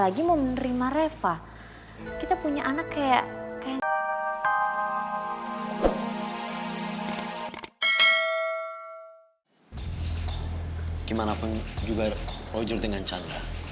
gimana pun juga roger dengan chandra